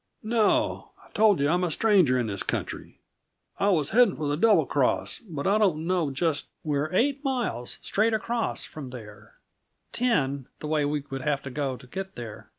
"No. I told you I'm a stranger in this country. I was heading for the Double Cross, but I don't know just " "We're eight miles, straight across, from there; ten, the way we would have to go to get there.